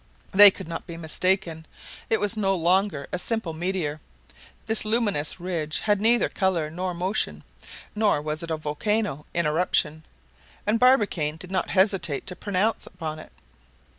They could not be mistaken. It was no longer a simple meteor. This luminous ridge had neither color nor motion. Nor was it a volcano in eruption. And Barbicane did not hesitate to pronounce upon it.